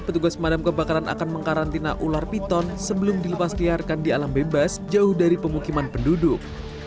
pes madam kebakaran akan mengkarantina ular piton sebelum dilepasliarkan di alam bebas jauh dari pemukiman penduduk